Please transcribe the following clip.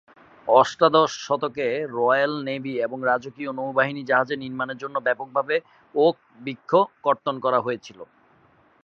অষ্টাদশ শতকে royal navy বা রাজকীয় নৌবাহিনীর জাহাজ নির্মাণের জন্য ব্যাপকভাবে ওক বৃক্ষ কর্তন করা হয়েছিল।